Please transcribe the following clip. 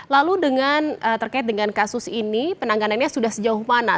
lalu terkait dengan kasus ini penanganannya sudah sejauh mana